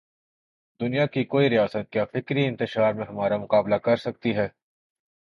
دنیا کی کوئی ریاست کیا فکری انتشار میں ہمارا مقابلہ کر سکتی ہے؟